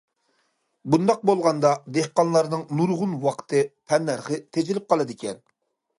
بۇنداق بولغاندا دېھقانلارنىڭ نۇرغۇن ۋاقتى، تەننەرخى تېجىلىپ قالىدىكەن.